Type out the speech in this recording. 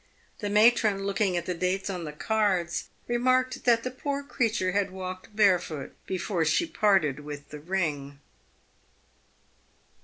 The matron, looking at the dates on the cards, remarked that the poor creature had walked barefoot before she parted with the ring.